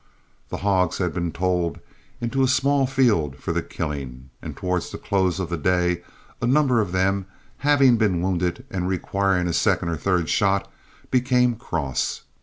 The hogs had been tolled into a small field for the killing, and towards the close of the day a number of them, having been wounded and requiring a second or third shot, became cross.